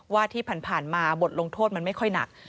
ว่าที่ผ่านมาบทลงโทษมันไม่ค่อยหนัก